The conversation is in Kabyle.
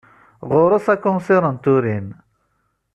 Ɣer-s akunsir n turin.